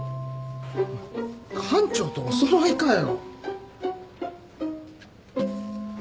館長とお揃いかよ。